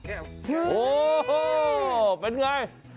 โอ้โหเป็นไง